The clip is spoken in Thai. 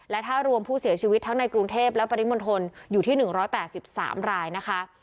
และถ้ารวมผู้เสียชีวิตทั้งในกรุงเทพและปฏิบันทนอยู่ที่หนึ่งร้อยแปดสิบสามรายนะคะ